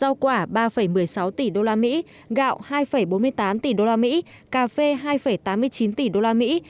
rau quả ba một mươi sáu tỷ đô la mỹ gạo hai bốn mươi tám tỷ đô la mỹ cà phê hai tám mươi chín tỷ đô la mỹ